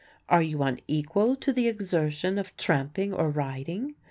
Are you unequal to the exertion of tramping or riding?